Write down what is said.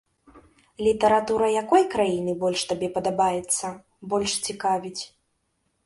Літаратура якой краіны больш табе падабаецца, больш цікавіць?